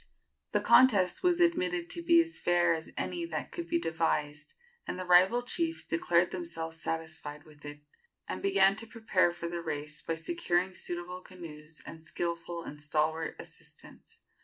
The contest was admitted to be as fair as any that could be devised, and the rival chiefs declared themselves satisfied with it, and began to prepare for the race by securing suitable canoes and skilful and stalwart assistants.